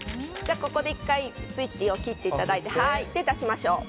ここで１回、スイッチを切って出しましょう。